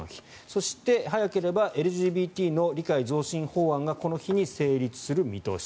そして、早ければＬＧＢＴの理解増進法案はこの日に成立する見通し。